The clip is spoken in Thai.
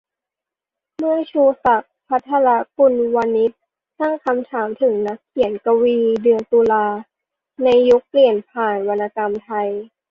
เมื่อ "ชูศักดิ์ ภัทรกุลวณิชย์" ตั้งคำถามถึงนักเขียน-กวี "เดือนตุลา" ใน "ยุคเปลี่ยนผ่านวรรณกรรมไทย"